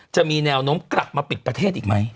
จะมีแนวโน้มกลับมาปิดประเทศอีกไหม